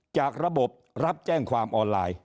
จากระบบรับแจ้งความออนไลน์